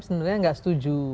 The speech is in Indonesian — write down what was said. sebenarnya nggak setuju